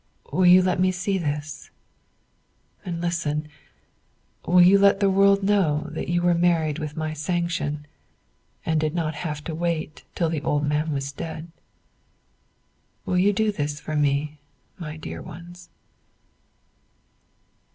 Will you let me see this? And listen, will you let the world know that you were married with my sanction, and did not have to wait till the old man was dead? Will you do this for me, my dear ones?"